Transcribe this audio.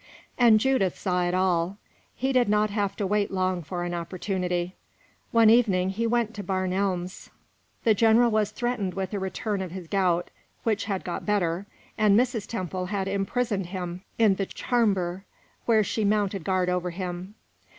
And Judith saw it all. He did not have to wait long for an opportunity. One evening he went to Barn Elms. The general was threatened with a return of his gout, which had got better, and Mrs. Temple had imprisoned him in the "charmber," where she mounted guard over him.